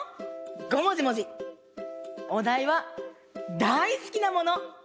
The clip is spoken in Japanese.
おだいはだいすきなもの！